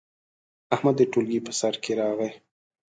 احمد د ټولګي په سر کې راغی.